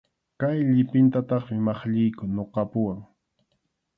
Kay llipintataqmi maqlliyku ñuqapuwan.